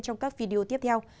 trong các video tiếp theo